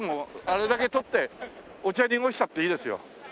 あれだけ撮ってお茶濁したっていいですよ。